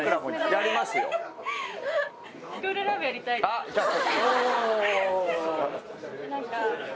あっじゃあ。